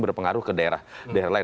berpengaruh ke daerah daerah lain